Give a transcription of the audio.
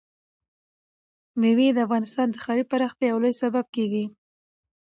مېوې د افغانستان د ښاري پراختیا یو لوی سبب کېږي.